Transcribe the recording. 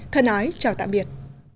thân ái chào tạm biệt